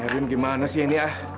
erwin gimana sih ini ah